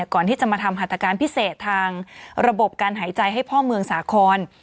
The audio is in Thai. ก่อนที่จะมาทำหัตการณ์พิเศษทางระบบการหายใจให้พ่อเมืองสาคร